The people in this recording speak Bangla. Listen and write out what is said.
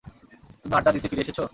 তুমি আড্ডা দিতে ফিরে এসেছো?